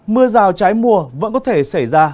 mưa rào trái mùa vẫn có thể xảy ra